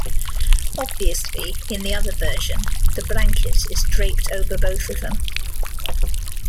Obviously, in the other version, the blanket is draped over both of them.